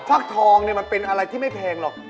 ภักดิ์ทองมันเป็นอะไรที่ไม่แพงหรอก